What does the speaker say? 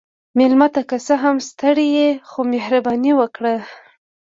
مېلمه ته که څه هم ستړی يې، خو مهرباني وکړه.